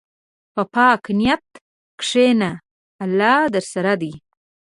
په پاک نیت کښېنه، الله درسره دی.